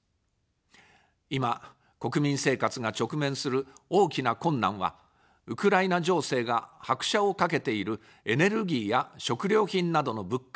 今、国民生活が直面する大きな困難は、ウクライナ情勢が拍車をかけているエネルギーや食料品などの物価高です。